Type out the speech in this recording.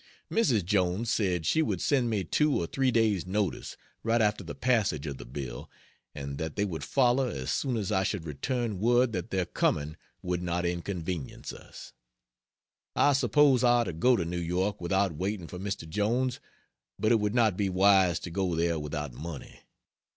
Mrs. Jones said she would send me two or three days' notice, right after the passage of the bill, and that they would follow as soon as I should return word that their coming would not inconvenience us. I suppose I ought to go to New York without waiting for Mr. Jones, but it would not be wise to go there without money.